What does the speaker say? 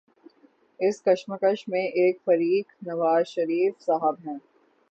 اس کشمکش میں ایک فریق نوازشریف صاحب ہیں